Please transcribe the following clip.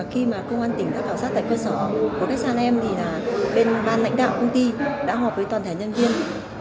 khi mà công an tỉnh đã khảo sát tại cơ sở của cách san em thì là bên ban lãnh đạo công ty đã họp với toàn thể nhân viên